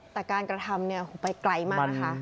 แต่การกระทำไปไกลมากนะคะ